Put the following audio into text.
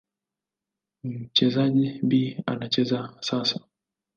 Mchezaji B anacheza sasa.